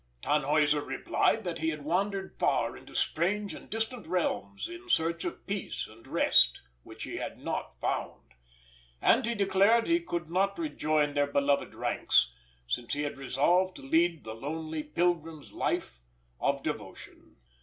Tannhäuser replied that he had wandered far into strange and distant realms in search of peace and rest, which he had not found; and he declared he could not rejoin their beloved ranks, since he had resolved to lead the lonely pilgrim's life of devotion.